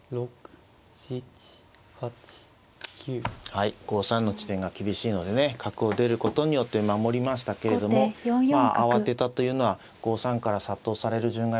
はい５三の地点が厳しいのでね角を出ることによって守りましたけれどもまあ慌てたというのは５三から殺到される順がやっぱり嫌に映ったんでしょうかね。